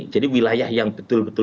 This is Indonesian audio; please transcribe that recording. jadi wilayah yang betul betul